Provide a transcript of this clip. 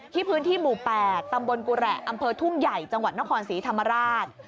พื้นที่หมู่๘ตำบลกุแหละอำเภอทุ่งใหญ่จังหวัดนครศรีธรรมราช